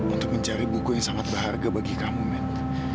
untuk mencari buku yang sangat berharga bagi kamu man